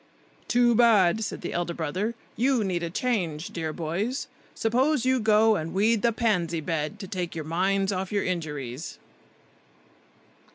"Too bad!" said the elder brother. "You need a change, dear boys; suppose you go and weed the pansy bed, to take your minds off your injuries."